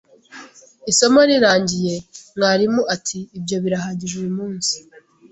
Isomo rirangiye, mwarimu ati: "Ibyo birahagije uyu munsi."